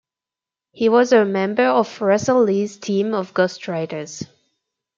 He was a member of Russell Lee's team of ghost writers.